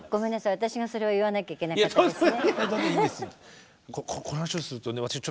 私がそれを言わなきゃいけなかったですね。